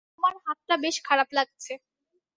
তোমার হাতটা বেশ খারাপ লাগছে।